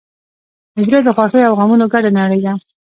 زړه د خوښیو او غمونو ګډه نړۍ ده.